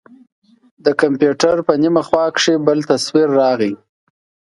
د کمپيوټر په نيمه خوا کښې بل تصوير راغى.